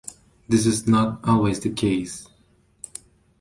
This is not "always" the case.